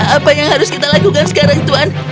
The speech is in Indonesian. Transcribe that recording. apa yang harus kita lakukan sekarang tuhan